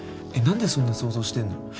何でそんな想像してんの？